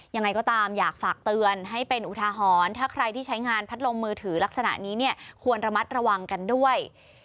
ยังไงก็ตามอยากฝากเตือนให้เป็นอุทาหรณ์ถ้าใครที่ใช้งานพัดลมมือถือลักษณะนี้เนี่ยควรระมัดระวังกันด้วย